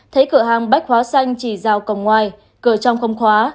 thấy cửa hàng bách hóa xanh chỉ rào cổng ngoài cửa trong không khóa